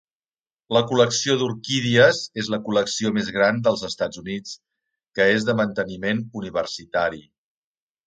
La col·lecció d'orquídies és la col·lecció més gran dels Estats Units que és de manteniment universitari.